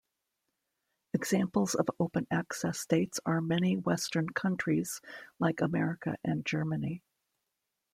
Examples of open access states are many Western countries like America and Germany.